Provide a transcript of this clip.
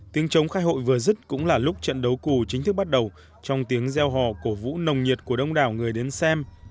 tiếng chống khai hội vừa dứt cũng là lúc trận đấu cù chính thức bắt đầu trong tiếng gieo hò cổ vũ nồng nhiệt của đông đảo người đến xem